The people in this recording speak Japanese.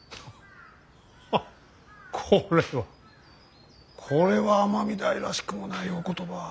ハッこれはこれは尼御台らしくもないお言葉。